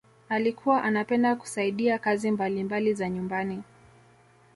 alikuwa anapenda kusaidia kazi mbalimbali za nyumbani